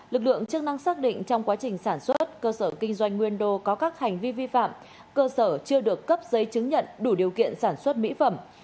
lực lượng chức năng xác định trong quá trình sản xuất cơ sở kinh doanh nguyên đô có các hành vi vi phạm cơ sở chưa được cấp giấy chứng nhận đủ điều kiện sản xuất mỹ phẩm